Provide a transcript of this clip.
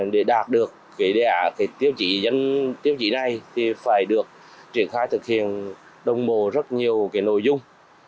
để đạt được tiêu chỉ này thì phải được triển khai thực hiện đồng bộ rất nhiều nội dung